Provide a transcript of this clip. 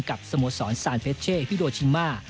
กับสโมสรซานเฟชเชฟิโดชินมา